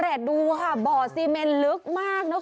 เร็วขึ้นเร็วขึ้นมาเลย